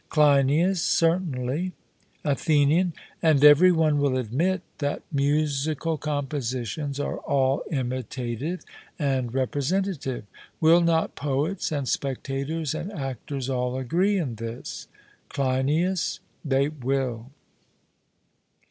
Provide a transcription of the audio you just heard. CLEINIAS: Certainly. ATHENIAN: And every one will admit that musical compositions are all imitative and representative. Will not poets and spectators and actors all agree in this? CLEINIAS: They will.